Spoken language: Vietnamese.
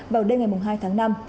vào đêm ngày hai tháng năm